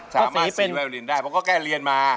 สามารถสีไวโอลีนได้เพราะก็แกเรียนมา